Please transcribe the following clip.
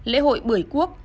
lễ hội bưởi quốc